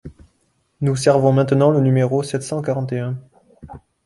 Nous servons maintenant le numéro sept cent quarante et un.